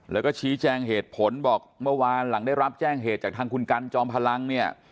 แล้วก็ชี้แจงเหตุผลบอกเมื่อวานหลังได้รับแจ้งเหตุจากทางคุณกันจอมพลังเนี่ย